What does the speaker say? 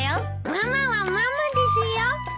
ママはママですよ。